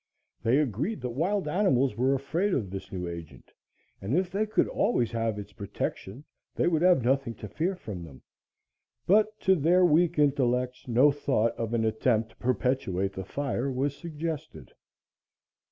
They agreed that wild animals were afraid of this new agent, and if they could always have its protection they would have nothing to fear from them; but to their weak intellects no thought of an attempt to perpetuate the fire was suggested.